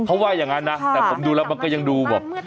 เขาว่าอย่างนั้นนะแต่ผมดูแล้วมันก็ยังดูแบบ